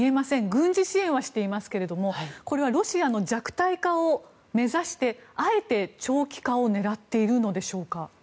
軍事支援はしていますがこれはロシアの弱体化を目指してあえて長期化を狙っているのでしょうか。